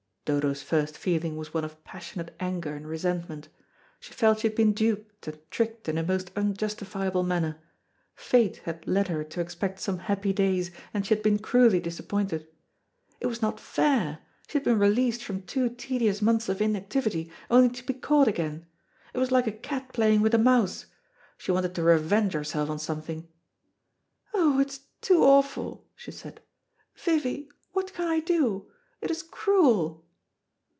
Dodo's first feeling was one of passionate anger and resentment. She felt she had been duped and tricked in a most unjustifiable manner. Fate had led her to expect some happy days, and she had been cruelly disappointed. It was not fair; she had been released from two tedious months of inactivity, only to be caught again. It was like a cat playing with a mouse. She wanted to revenge herself on something. "Oh, it is too awful," she said. "Vivy, what can I do? It is cruel."